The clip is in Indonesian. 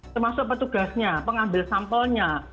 termasuk petugasnya pengambil sampelnya